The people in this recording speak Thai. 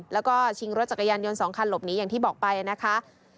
แล้วก็ชิงรถจักรยานยนต์๒คันหลบหนีอย่างที่บอกไปนะคะ